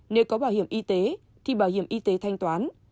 nếu có bảo hiểm y tế thì bảo hiểm y tế thanh toán